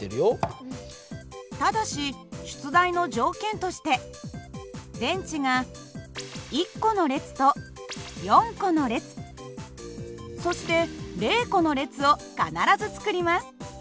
ただし出題の条件として電池が１個の列と４個の列そして０個の列を必ず作ります。